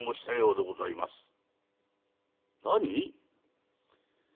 「さようでございます。